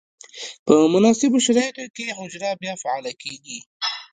په مناسبو شرایطو کې حجره بیا فعاله کیږي.